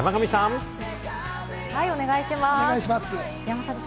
気象お願いします。